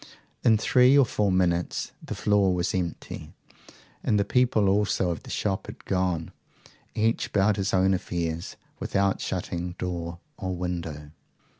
In three or four minutes the floor was empty, and the people also of the shop had gone, each about his own affairs, without shutting door or window.